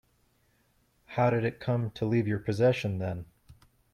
How did it come to leave your possession then?